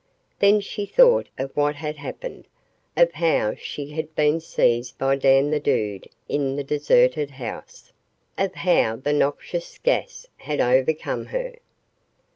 Then she thought of what had happened, of how she had been seized by Dan the Dude in the deserted house, of how the noxious gas had overcome her.